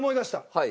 はい。